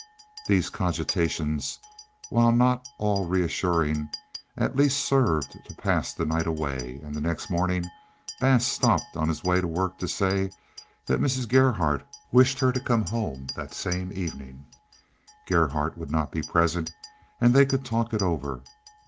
These cogitations, while not at all reassuring, at least served to pass the night away, and the next morning Bass stopped on his way to work to say that Mrs. Gerhardt wished her to come home that same evening. Gerhardt would not be present, and they could talk it over.